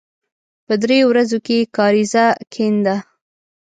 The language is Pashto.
په دریو ورځو کې یې کاریز کېنده.